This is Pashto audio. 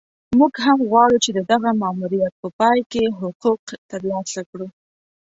موږ هم غواړو چې د دغه ماموریت په پای کې حقوق ترلاسه کړو.